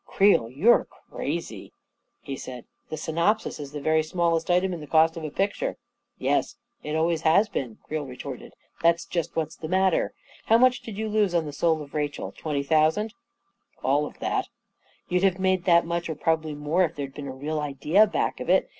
" Creel, you're crazy," he said. 4< The synopsis is the very smallest item in the cost of a picture." Yes — it always has been !" Creel retorted. That's just what's the matter! How much did you lose on ' The Soul of Rachel '? Twenty thou sand?" 41 All of that" " You'd have made that much — or probably more — if there'd been a real idea back of it.